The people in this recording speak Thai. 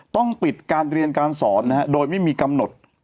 ต้องปิดการเรียนการสอนโดยไม่มีกำหนด